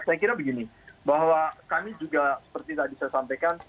saya kira begini bahwa kami juga seperti tadi saya sampaikan